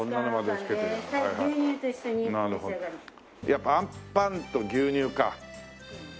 やっぱあんパンと牛乳か。